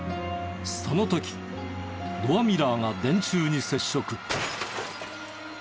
その時ドアミラーが電柱に接触。